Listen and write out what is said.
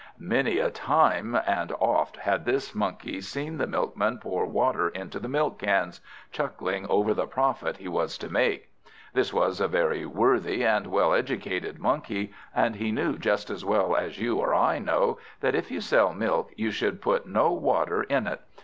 Many a time and oft had this Monkey seen the Milkman pour water into the milk cans, chuckling over the profit he was to make. This was a very worthy and well educated Monkey, and he knew just as well as you or I know, that if you sell milk, you should put no water in it.